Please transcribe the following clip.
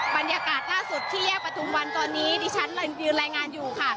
ปัญยากาศล่าสุดที่แยะประทุมวันตอนนี้ที่ชั้นยืนแรงงานอยู่ค่ะ